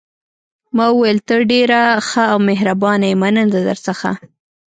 ما وویل: ته ډېره ښه او مهربانه یې، مننه درڅخه.